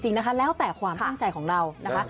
จริงนะคะแล้วแต่ความตั้งใจของเรานะคะ